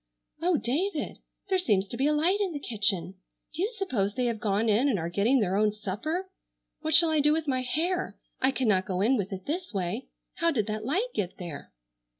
"Oh, David! There seems to be a light in the kitchen! Do you suppose they have gone in and are getting their own supper? What shall I do with my hair? I cannot go in with it this way. How did that light get there?"